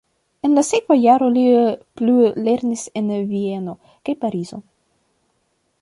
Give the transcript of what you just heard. En la sekva jaro li plulernis en Vieno kaj Parizo.